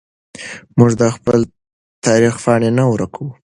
موږ د خپل تاریخ پاڼې نه ورکوو.